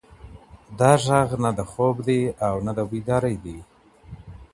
دا غږ نه د خوب دی او نه د بیدارۍ دی.